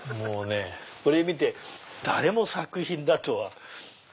これ見て誰も作品だとは。